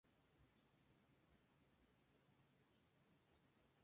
Estudió español, y lo aprendió a hablar viendo telenovelas mexicanas.